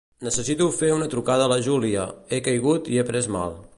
Necessito fer una trucada a la Júlia; he caigut i he pres mal.